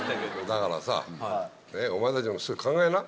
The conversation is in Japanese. だからさ。